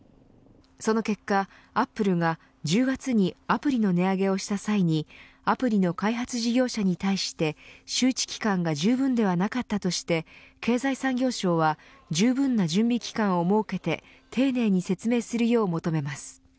その結果、アップルが１０月にアプリの値上げをした際にアプリの開発事業者に対して周知期間がじゅうぶんではなかったとして経済産業省はじゅうぶんな準備期間を設けて丁寧に説明するよう求めます。